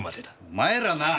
お前らなあ！